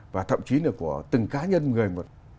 và thậm chí là của từng cá nhân người một